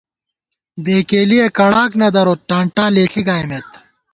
بېکېلِیَہ کڑاک نہ دروت ٹانٹا لېݪی گائیمېت